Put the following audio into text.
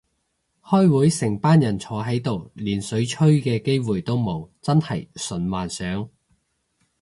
開會成班人坐喺度連水吹嘅機會都冇，真係純幻想